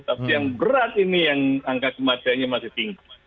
tapi yang berat ini yang angka kematiannya masih tinggi